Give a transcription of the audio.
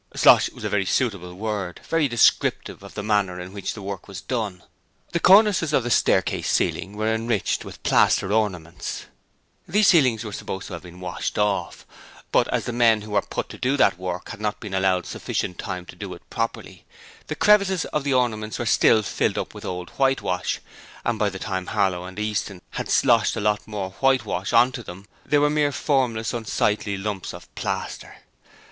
'Slosh' was a very suitable word; very descriptive of the manner in which the work was done. The cornices of the staircase ceilings were enriched with plaster ornaments. These ceilings were supposed to have been washed off, but as the men who were put to do that work had not been allowed sufficient time to do it properly, the crevices of the ornaments were still filled up with old whitewash, and by the time Harlow and Easton had 'sloshed' a lot more whitewash on to them they were mere formless unsightly lumps of plaster.